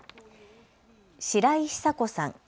白井久子さん。